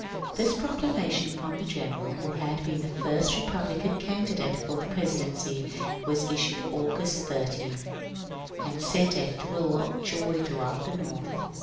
'* This proclamation from the general who had been the first Republican candidate for the presidency was issued August 30, and sent a thrill of joy throughout the North.